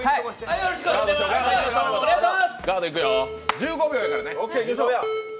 １５秒やからね。